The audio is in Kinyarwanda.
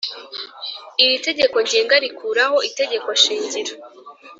Iri tegeko ngenga rikuraho Itegeko shingiro